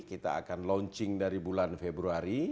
kita akan launching dari bulan februari